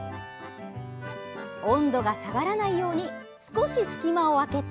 温度が下がらないように少し隙間を開けて